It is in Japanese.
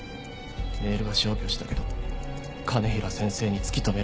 メールは消去したけど兼平先生に突き止められて。